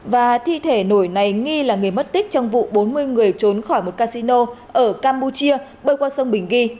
và thi thể nổi này nghi là người mất tích trong vụ bốn mươi người trốn khỏi một casino ở campuchia bơi qua sông bình ghi